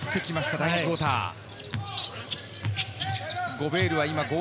第２クオーター。